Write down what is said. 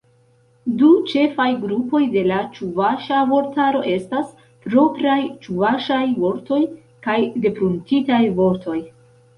Du ĉefaj grupoj de la ĉuvaŝa vortaro estas: propraj ĉuvaŝaj vortoj kaj depruntitaj vortoj.